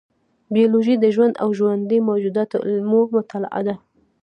بیولوژي د ژوند او ژوندي موجوداتو علمي مطالعه ده